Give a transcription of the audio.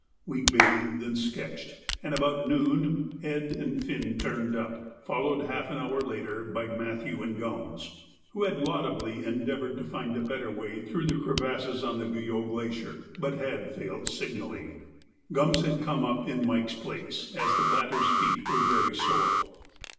We bathed and sketched, and at about noon Ed. and Finn turned up, followed half an hour later by Matthew and Gums, who had laudably endeavoured to find a better way through the crevasses on the Guyot Glacier, but had failed signally. Gums had come up in Mike's place, as the latter's feet were very sore.